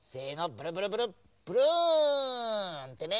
ブルブルブルブルンってね。